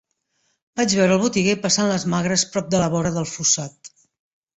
Vaig veure el botiguer passant-les magres prop de la vora del fossat.